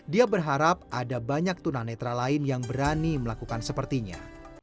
dia berharap ada banyak tunanetra lain yang berani melakukan sepertinya